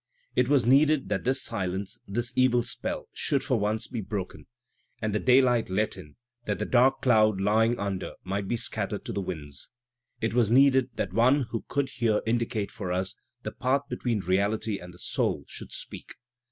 It was needed that this silence, this evil spell, should for once be broken, and the daylight let in, that the dark cloud lying under might be scattered to the winds. It was needed that one who could here indicate for us ^the path between reality and the soul* should speak.